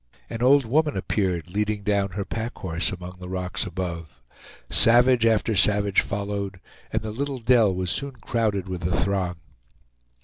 An old woman appeared, leading down her pack horse among the rocks above. Savage after savage followed, and the little dell was soon crowded with the throng.